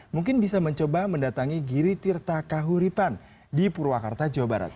mungkin bisa mencoba mendatangi giri tirta kahuripan di purwakarta jawa barat